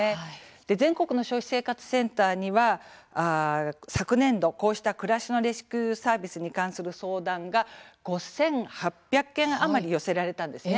全国の消費生活センターには昨年度、こうしたくらしのレスキューサービスに関する相談が５８００件余り寄せられたんですね。